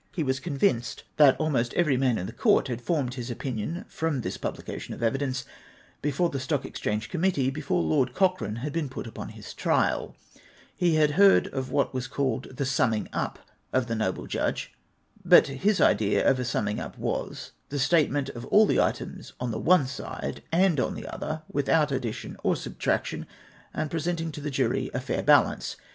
He was convinced that almost every F F 4 440 APri:NDlX X. man iii the court had formed his opinion fromtliis publication of evidence, before the Stock Exchange Committee, before Lord Cochrane had been pjut upon his triah He had heard of what was called the summing up of the noble judge; but his idea of a summing up was, the statement of all the items on the one side and on the other, without addition or sub traction, and presenting to the jury a fair balance.